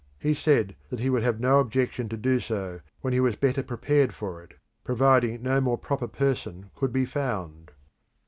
He said that he would have no objection to do so when he was better prepared for it, providing no more proper person could be found.